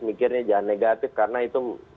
mikirnya jangan negatif karena itu